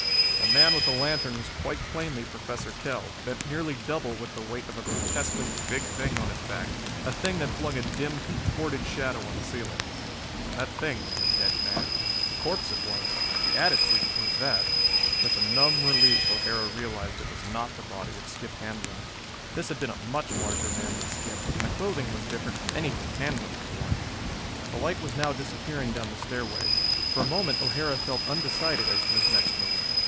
The man with the lantern was quite plainly Professor Kell, bent nearly double with the weight of a grotesquely big thing on his back, a thing that flung a dim, contorted shadow on the ceiling. And that thing was a dead man. A corpse it was the attitude proved that. With a numb relief O'Hara realized it was not the body of Skip Handlon. This had been a much larger man than Skip, and the clothing was different from anything Handlon had worn. The light was now disappearing down the stairway. For a moment O'Hara felt undecided as to his next move.